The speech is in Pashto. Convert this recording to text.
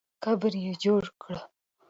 قبر یې جوړ کړه.